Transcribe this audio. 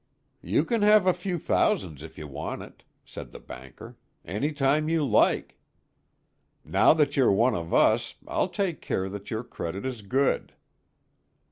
"You can have a few thousands if you want it," said the banker, "any time you like. Now that you're one of us, I'll take care that your credit is good."